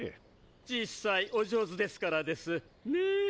実際お上手ですからですねぇ。